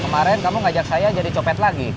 kemarin kamu ngajak saya jadi copet lagi